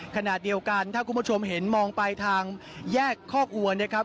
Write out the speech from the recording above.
ขณะเดียวกันถ้าคุณผู้ชมเห็นมองไปทางแยกคอกอัวนะครับ